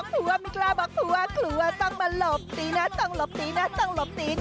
คุณผู้ชมต้องมาหลบตีนต้องหลบตีนต้องหลบตีน